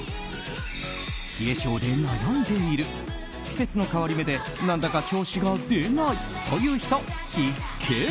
冷え性で悩んでいる季節の変わり目で何だか調子が出ないという人必見。